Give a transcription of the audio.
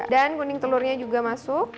dan kuning telurnya juga masuk